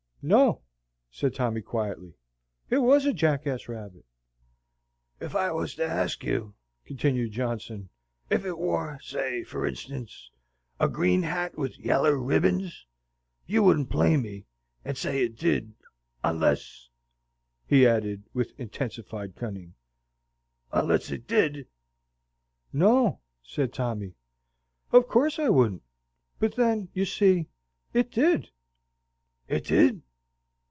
"No," said Tommy, quietly, "it WAS a jackass rabbit." "Ef I was to ask you," continued Johnson, "ef it wore, say, fur instance, a green hat with yaller ribbons, you wouldn't play me, and say it did, onless," he added, with intensified cunning, "onless it DID?" "No," said Tommy, "of course I wouldn't; but then, you see, IT DID." "It did?"